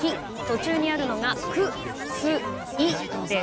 途中にあるのが「く」「す」「い」です。